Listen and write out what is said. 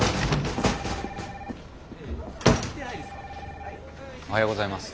☎おはようございます。